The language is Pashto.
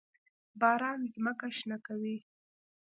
باران ځمکه شنه کوي.